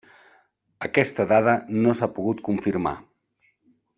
Aquesta dada no s'ha pogut confirmar.